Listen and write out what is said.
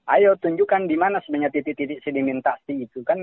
ayo tunjukkan dimana sebenarnya titik titik sedimentasi itu kan